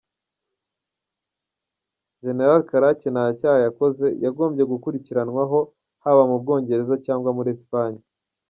Gen Karake nta cyaha yakoze yagombye gukurikiranwaho haba mu Bwongereza cyangwa muri Espagne.